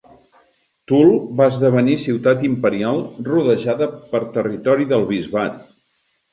Toul va esdevenir ciutat imperial rodejada per territori del bisbat.